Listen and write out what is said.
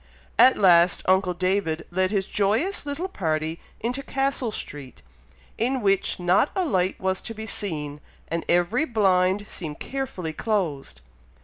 At last uncle David led his joyous little party into Castle Street, in which not a light was to be seen, and every blind seemed carefully closed.